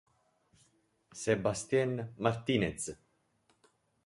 Sebastián Martínez